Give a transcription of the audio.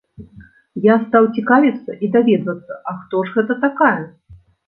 Я стаў цікавіцца і даведвацца, а хто ж гэта такая.